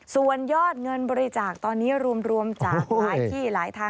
ส่วนยอดเงินบริจาคตอนนี้รวมจากหลายที่หลายทาง